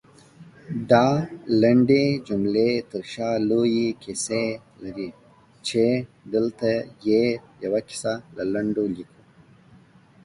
دالنډې جملې ترشا لويې کيسې لري، چې دلته يې يوه کيسه لنډه ليکو